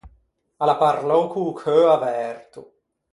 A l’à parlou co-o cheu averto.